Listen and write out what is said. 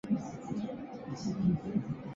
快点啊他有点恼